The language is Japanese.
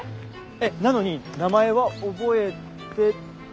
えっなのに名前は覚えて。